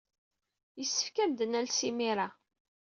Yessefk ad am-d-nales imir-a.